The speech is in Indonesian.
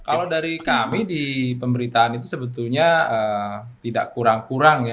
kalau dari kami di pemberitaan itu sebetulnya tidak kurang kurang ya